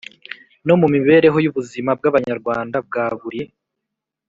no mu mibereho y’ubuzima bw’Abanyarwanda bwa buri